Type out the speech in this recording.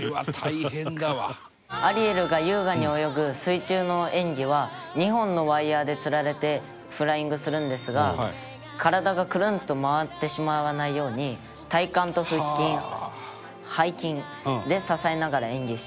「アリエルが優雅に泳ぐ水中の演技は２本のワイヤーで吊られてフライングするんですが体がクルンと回ってしまわないように体幹と腹筋背筋で支えながら演技してるんです」